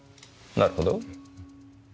なるほど。